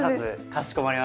かしこまりました！